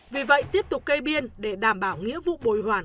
vì vậy tiếp tục cây biên để đảm bảo nghĩa vụ bồi hoàn